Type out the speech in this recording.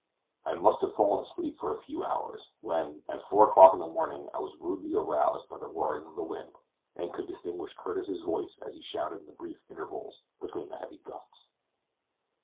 I must have fallen asleep for a few hours, when, at four o'clock in the morning, I was rudely aroused by the roaring of the wind, and could distinguish Curtis's voice as he shouted in the brief intervals between the heavy gusts.